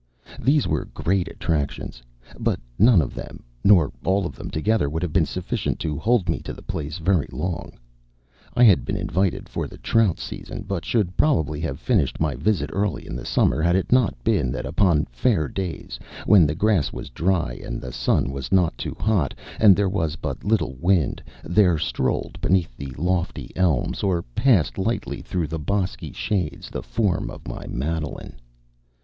These were great attractions; but none of them, nor all of them together, would have been sufficient to hold me to the place very long. I had been invited for the trout season, but should, probably, have finished my visit early in the summer had it not been that upon fair days, when the grass was dry, and the sun was not too hot, and there was but little wind, there strolled beneath the lofty elms, or passed lightly through the bosky shades, the form of my Madeline.